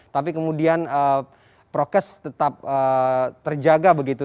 tapi kemudian prokes tetap terjaga begitu